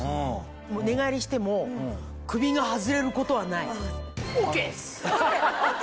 寝返りしても首が外れることはない。